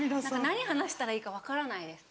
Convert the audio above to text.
何話したらいいか分からないです。